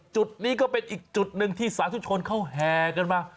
จุดนี้ก็เป็นอีกจุดหนึ่งที่สาธุชนเขาแห่กันมา